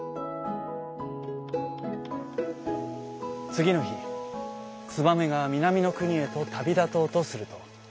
つぎのひツバメがみなみのくにへとたびだとうとすると。